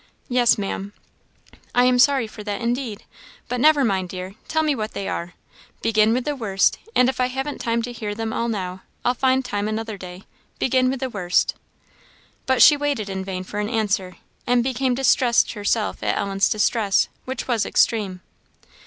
"Yes, Maam." "I am sorry for that, indeed. But never mind, dear, tell me what they are. Begin with the worst, and if I haven't time to hear them all now, I'll find time another day. Begin with the worst." But she waited in vain for an answer, and became distressed herself at Ellen's distress, which was extreme.